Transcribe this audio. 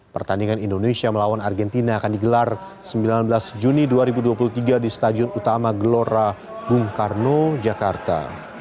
pertandingan indonesia melawan argentina akan digelar sembilan belas juni dua ribu dua puluh tiga di stadion utama gelora bung karno jakarta